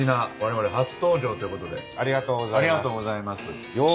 ありがとうございます。